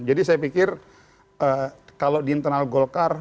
jadi saya pikir kalau di internal golkar